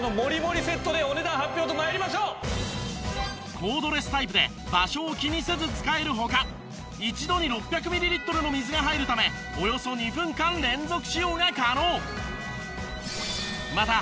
コードレスタイプで場所を気にせず使える他一度に６００ミリリットルの水が入るためおよそ２分間連続使用が可能。